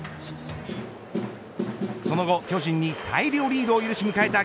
その後、巨人に大量リードを許し迎えた